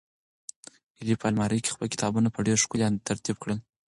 هیلې په المارۍ کې خپل کتابونه په ډېر ښکلي ترتیب کېښودل.